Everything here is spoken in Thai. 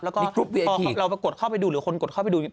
แล้วก็พอเรากดเข้าไปดูหรือคนกดเข้าไปดู